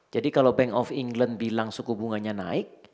jadi kalau bank of england bilang suku bunganya naik